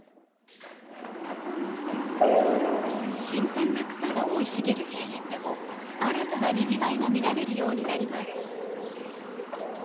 新鮮な草が生い茂る平原でも新たなにぎわいが見られるようになります。